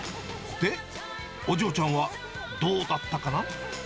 で、お嬢ちゃんはどうだったかな？